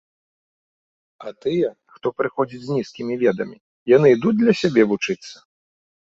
А тыя, хто прыходзіць з нізкімі ведамі, яны ідуць для сябе вучыцца?